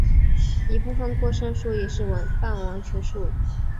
一部分过剩数也是半完全数。